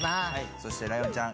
そして、ライオンちゃん